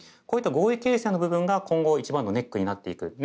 こういった合意形成の部分が今後一番のネックになっていく。